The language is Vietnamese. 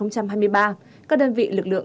các đơn vị lực lượng